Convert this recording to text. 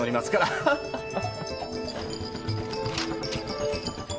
アハハハハ。